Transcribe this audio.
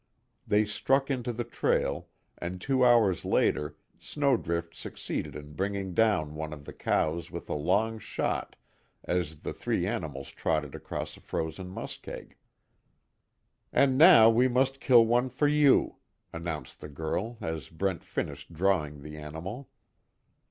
They struck into the trail, and two hours later Snowdrift succeeded in bring down one of the cows with a long shot as the three animals trotted across a frozen muskeg. "And now we must kill one for you," announced the girl as Brent finished drawing the animal.